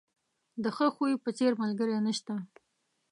د ښه خوی په څېر، ملګری نشته.